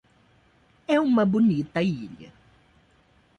É uma bonita ilha.